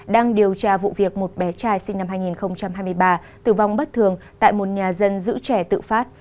đang điều tra vụ việc một bé trai sinh năm hai nghìn hai mươi ba tử vong bất thường tại một nhà dân giữ trẻ tự phát